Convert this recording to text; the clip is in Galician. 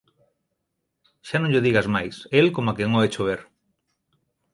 Xa non llo digas máis, el coma quen oe chover!